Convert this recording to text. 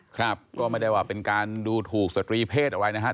ครับก็ไม่ได้ว่าเป็นการดูถูกสตรีเพศอะไรนะครับ